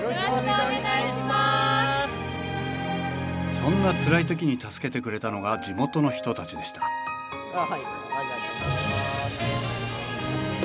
そんなつらい時に助けてくれたのが地元の人たちでしたありがとうございます。